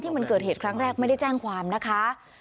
มันเกิดเหตุครั้งแรกไม่ได้แจ้งความนะคะ